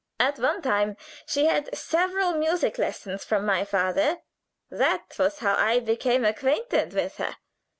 At one time she had several music lessons from my father. That was how I became acquainted with her.